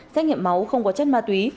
xét nghiệm máu không có chất ma túy